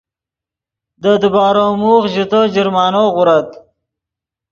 دے دیبارو موخ ژے تو جرمانو غورت